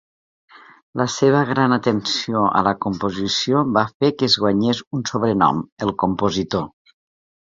La seva gran atenció a la composició va fer que es guanyés un sobrenom: "el compositor".